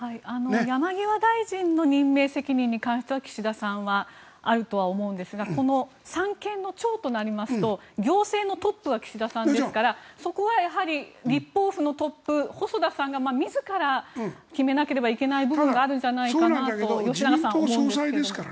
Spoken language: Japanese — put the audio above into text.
山際大臣の任命責任については岸田さんはあるとは思うんですがこの三権の長となりますと行政のトップは岸田さんですからそこは立法府のトップ細田さんが自ら決めなければいけない部分があるんじゃないかなと思うんですが。